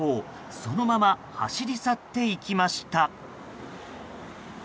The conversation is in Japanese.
そのまま走り去っていきました。